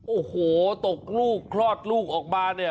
โอ้โหตกลูกคลอดลูกออกมาเนี่ย